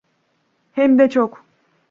Hemde çok.